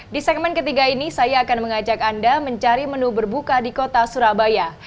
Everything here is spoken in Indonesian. di segmen ketiga ini saya akan mengajak anda mencari menu berbuka di kota surabaya